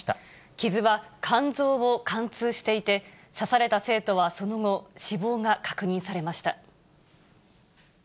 傷は肝臓を貫通していて、刺された生徒はその後、死亡が確認されました。